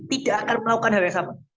tidak akan melakukan hal yang sama